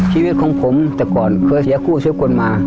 ชีวิตของผมแต่ตกอนเคยเสียคู่เพื่อกลมมา